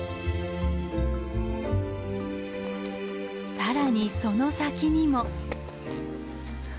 更にその先にも。